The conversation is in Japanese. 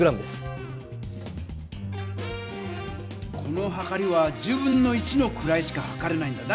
このはかりはのくらいしかはかれないんだ。